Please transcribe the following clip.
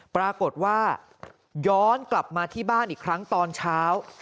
ปรากฏว่าย้อนกลับมาที่บ้านอีกครั้งตอนเช้า